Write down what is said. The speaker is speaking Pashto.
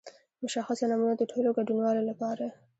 مشخصه نمونه د ټولو ګډونوالو لپاره.